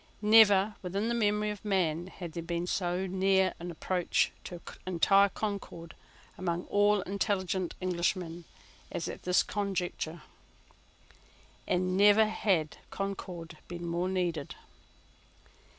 Never, within the memory of man, had there been so near an approach to entire concord among all intelligent Englishmen as at this conjuncture: and never had concord been more needed.